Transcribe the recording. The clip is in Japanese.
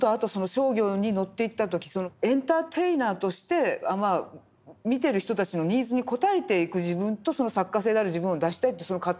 商業に乗っていった時そのエンターテイナーとしてまあ見てる人たちのニーズに応えていく自分とその作家性である自分を出したいというその葛藤っていうのは。